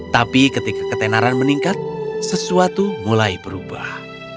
tapi ketika ketenaran meningkat sesuatu mulai berubah